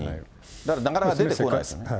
だからなかなか出てこないですよ